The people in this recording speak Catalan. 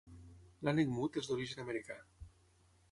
L'ànec mut és d'origen americà.